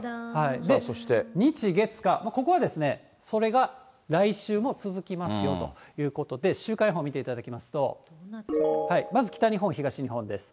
そして日、月、火、ここは、それが来週も続きますよということで、週間予報見ていただきますと、まず北日本、東日本です。